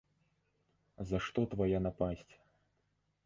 За што твая напасць?!.